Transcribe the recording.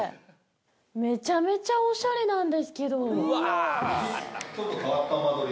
めちゃめちゃオシャレなんですけど。